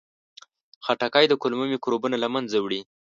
خټکی د کولمو میکروبونه له منځه وړي.